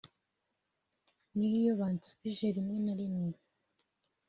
n’iyo bansubije rimwe na rimwe